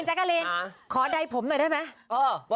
กะลินขอใดผมหน่อยได้ไหม